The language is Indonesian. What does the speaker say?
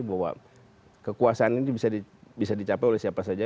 bahwa kekuasaan ini bisa dicapai oleh siapa saja